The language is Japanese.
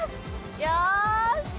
よし！